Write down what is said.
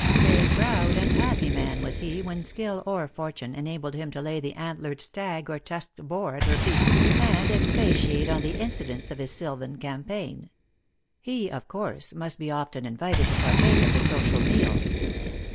A proud and happy man was he when skill or fortune enabled him to lay the an tiered stag or tusked boar at her feet, and ex patiate on the incidents of his sylvan campaign. He, of course, must be often invited to partake of the so cial meal.